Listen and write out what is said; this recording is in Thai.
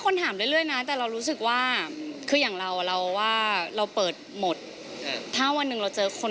โอ๊ยไม่ได้สนิทกันค่ะสนิทกันเป็นเพื่อนสนิทกัน